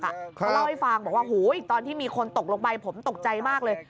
เขาเล่าให้ฟังบอกว่าตอนที่มีคนตกลงไปผมตกใจมากเลย